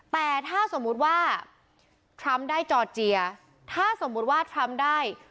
แต่ถ้าสมมุติว่าได้ถ้าสมมุติว่าได้